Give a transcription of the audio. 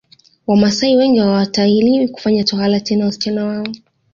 Wamaasai wengi hawatahiri kufanya tohara tena wasichana wao